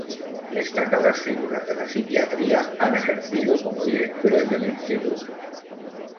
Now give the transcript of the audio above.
Destacadas figuras de la psiquiatría han ejercido como directores del Instituto.